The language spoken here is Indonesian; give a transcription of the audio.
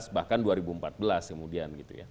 bahkan dua ribu empat belas kemudian